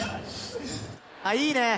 あいいね！